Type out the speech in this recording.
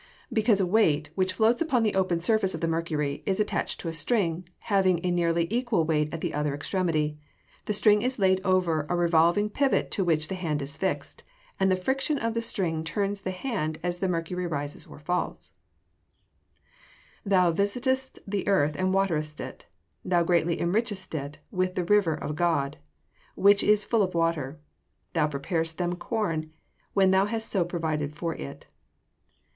_ Because a weight, which floats upon the open surface of the mercury, is attached to a string, having a nearly equal weight at the other extremity; the string is laid over a revolving pivot to which the hand is fixed, and the friction of the string turns the hand, as the mercury rises or falls. [Verse: "Thou visitest the earth, and waterest it: thou greatly enrichest it with the river of God, which is full of water: thou preparest them corn, when thou hast so provided for it."